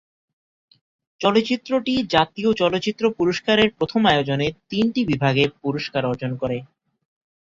চলচ্চিত্রটি জাতীয় চলচ্চিত্র পুরস্কারের প্রথম আয়োজনে তিনটি বিভাগে পুরস্কার অর্জন করে।